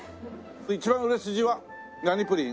一番売れ筋は何プリン？